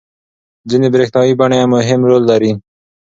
ځینې برېښنايي بڼې مهم رول لري.